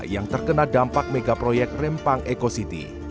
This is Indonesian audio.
yang terkena dampak megaproyek rempang eco city